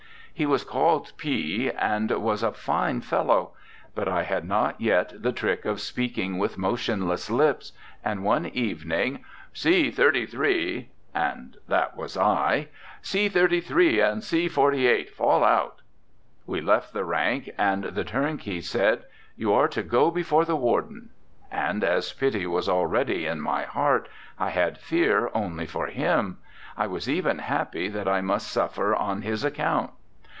He was called P , and was a fine fellow! But I had not yet the trick of speaking with motionless lips, and one evening 'C. 33!' ( that was I ) 'C. 33 and C. 48 fall out!' We left the rank, and the turnkey said: 'You are to go before the warden!' And as pity was already in my heart I had fear only for him; I was even happy that I must suffer on his account.